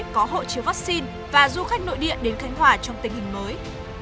có hộ chiếu vaccine và du khách nội địa đến khánh hòa trong tình hình mới